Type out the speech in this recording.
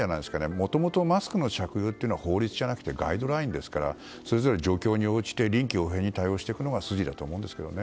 もともとマスクの着用は法律じゃなくてガイドラインですからそれぞれ状況に応じて臨機応変に対応していくのが筋だと思います。